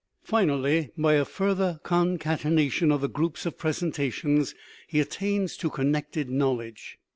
Finally, by a further concatenation of the groups of presentations he at tains to connected knowledge.